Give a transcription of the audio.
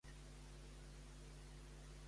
Com ha d'actuar el jove en nom de déu?